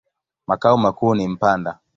Makao makuu ni Mpanda.